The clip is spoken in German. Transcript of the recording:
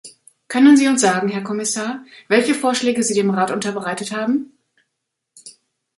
Können Sie uns sagen, Herr Kommissar, welche Vorschläge Sie dem Rat unterbreitet haben?